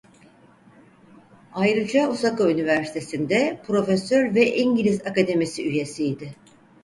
Ayrıca Osaka Üniversitesi'nde profesör ve İngiliz Akademisi üyesiydi.